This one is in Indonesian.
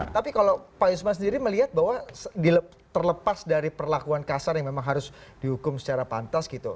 tapi kalau pak yusman sendiri melihat bahwa terlepas dari perlakuan kasar yang memang harus dihukum secara pantas gitu